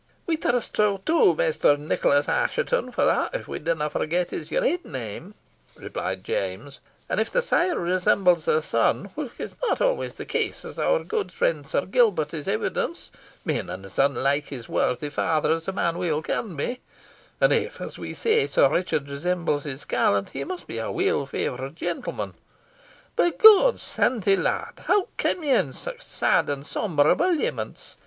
"We trust so, too, Maister Nicholas Assheton for that, if we dinna forget, is your ain name," replied James; "and if the sire resembles the son, whilk is not always the case, as our gude freend, Sir Gilbert, is evidence, being as unlike his worthy father as a man weel can be; if, as we say, Sir Richard resembles this callant, he must be a weel faur'd gentleman. But, God's santie, lad! how cam you in sic sad and sombre abulyiements?